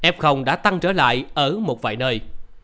f đã tăng trở lại ở một vài nơi